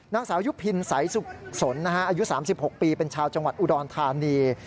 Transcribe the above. นางสาวยุพินสายสุขสนอายุ๓๖ปีเป็นชาวจังหวัดอุดรธานี